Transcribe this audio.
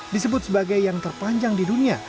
disebut sebagai yang terpanjang di dunia